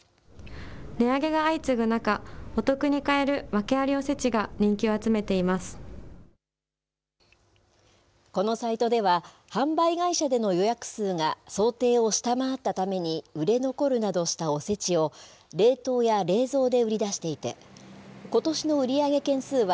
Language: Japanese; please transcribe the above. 値上げが相次ぐ中、お得に買える訳ありおせちが人気を集めてこのサイトでは、販売会社での予約数が想定を下回ったために、売れ残るなどしたおせちを、冷凍や冷蔵で売り出していて、ことしの売り上げ件数は、